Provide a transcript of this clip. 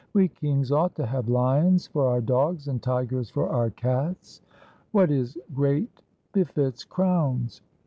We kings ought to have lions for our dogs and tigers for our cats. What is great befits crowns.